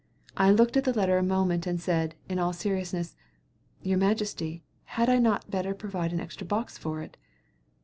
I looked at the letter a moment and said, in all seriousness: "Your majesty, had I not better provide an extra box for it?"